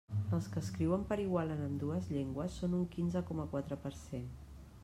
Els que escriuen per igual en ambdues llengües són un quinze coma quatre per cent.